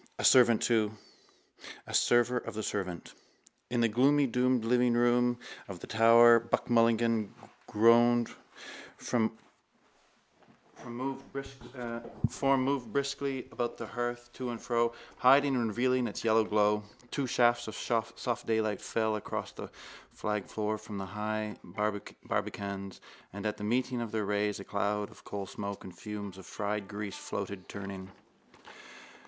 A servant too. A server of a servant. In the gloomy domed livingroom of the tower Buck Mulligan's gowned form moved briskly to and fro about the hearth, hiding and revealing its yellow glow. Two shafts of soft daylight fell across the flagged floor from the high barbacans: and at the meeting of their rays a cloud of coalsmoke and fumes of fried grease floated, turning.